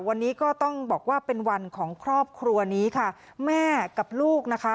วันนี้ก็ต้องบอกว่าเป็นวันของครอบครัวนี้ค่ะแม่กับลูกนะคะ